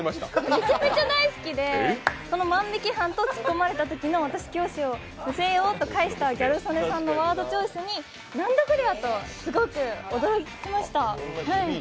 めちゃくちゃ大好きで、万引き犯とツッコまれたときの「私、教師の娘よ！」と返したギャル曽根さんのワードチョイスに「なんじゃこりゃ！」とすごく驚きました。